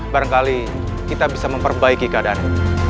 barangkali kita bisa memperbaiki keadaannya